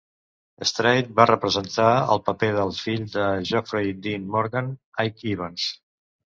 Strait va representar el paper del fill de Jeffrey Dean Morgan, Ike Evans.